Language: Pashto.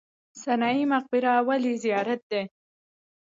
سنايي مقبره ولې زیارت دی؟